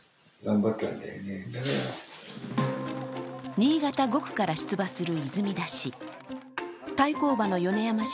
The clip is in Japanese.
新潟５区から出馬する泉田氏。